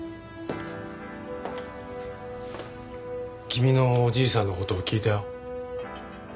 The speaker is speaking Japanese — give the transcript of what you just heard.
君のおじいさんの事を聞いたよ。